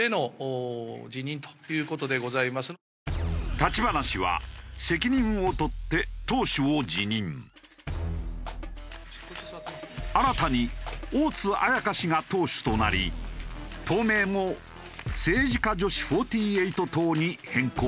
立花氏は新たに大津綾香氏が党首となり党名も政治家女子４８党に変更した。